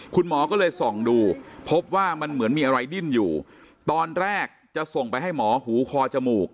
คุณหมอก็เลยส่องดูพบว่ามันเหมือนมีอะไรดิ้นอยู่ตอนแรกจะส่งไปให้หมอหูคอจมูก